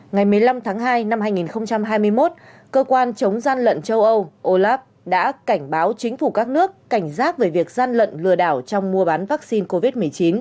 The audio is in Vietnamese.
ngày một mươi năm tháng hai năm hai nghìn hai mươi một cơ quan chống gian lận châu âu olaf đã cảnh báo chính phủ các nước cảnh giác về việc gian lận lừa đảo trong mua bán vaccine covid một mươi chín